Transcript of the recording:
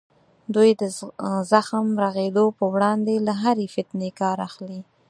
دوی د زخم د رغېدو په وړاندې له هرې فتنې کار اخلي.